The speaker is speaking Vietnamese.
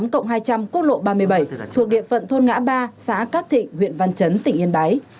một trăm hai mươi tám cộng hai trăm linh quốc lộ ba mươi bảy thuộc địa phận thôn ngã ba xã cát thịnh huyện văn chấn tỉnh yên bái